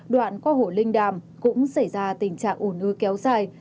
đoạn qua hồ linh đàm cũng xảy ra tình trạng ồn ưa kéo dài